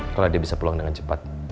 karena dia bisa pulang dengan cepat